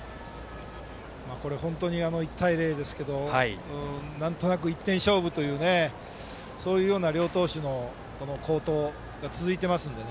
これ本当に１対０ですけどなんとなく１点勝負という両投手の好投が続いていますので。